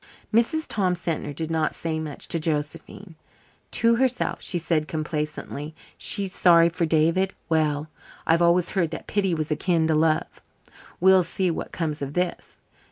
Mrs. Tom Sentner did not say much to Josephine. To herself she said complacently: "She's sorry for David. Well, I've always heard that pity was akin to love. We'll see what comes of this."